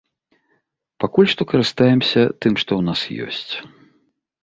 Пакуль што карыстаемся тым, што ў нас ёсць.